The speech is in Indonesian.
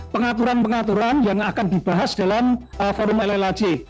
pengaturan pengaturan yang akan dibahas dalam forum llhc